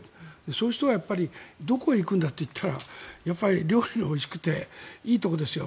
そういう人はどこへ行くんだといったら料理がおいしくていいとこですよ。